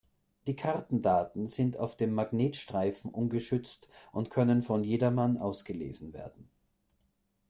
Die Kartendaten sind auf dem Magnetstreifen ungeschützt und können von jedermann ausgelesen werden.